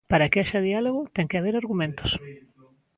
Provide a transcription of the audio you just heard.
Para que haxa diálogo, ten que haber argumentos.